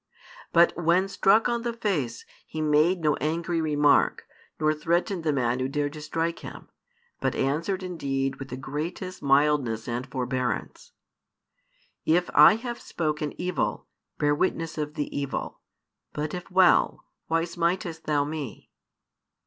But when struck on the face, He made no angry remark, nor threatened the man who dared to strike Him, but answered indeed with the greatest mildness and forbearance, If I have spoken evil, bear witness of the evil; but if well, why smitest thou Me?